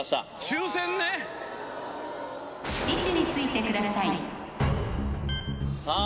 抽選ね位置についてくださいさあ